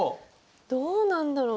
どうなんだろう？